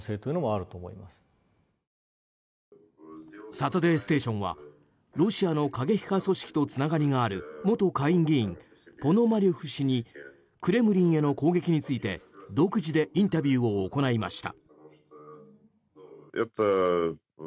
「サタデーステーション」はロシアの過激派組織とつながりがある元下院議員ポノマリョフ氏にクレムリンへの攻撃について独自でインタビューを行いました。